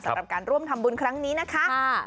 สำหรับการร่วมทำบุญครั้งนี้นะคะ